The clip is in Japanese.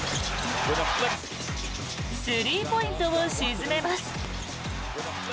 スリーポイントを沈めます。